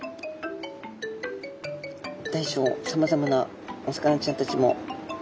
大小さまざまなお魚ちゃんたちも。